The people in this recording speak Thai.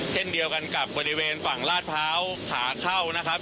เช่นเดียวกันกับบริเวณฝั่งลาดพร้าวขาเข้านะครับ